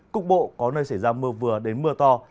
cục bộ có nơi xảy ra mưa vừa đến mưa to